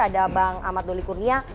ada bang ahmad doli kurnia